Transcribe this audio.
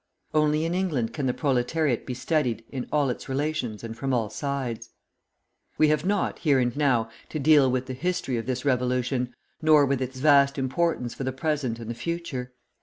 Only in England can the proletariat be studied in all its relations and from all sides. We have not, here and now, to deal with the history of this revolution, nor with its vast importance for the present and the future.